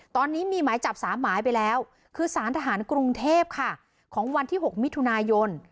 ตอนนี้มีหมายจับ๓หมายไปแล้วคือสารทหารกรุงเทพค่ะของวันที่๖มิถุนายน